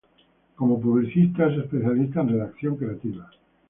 Como publicista, es especialista en redacción creativa.